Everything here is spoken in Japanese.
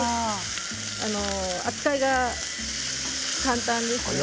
扱いが簡単です。